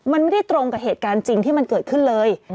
มันไม่ได้ตรงกับเหตุการณ์จริงที่มันเกิดขึ้นเลย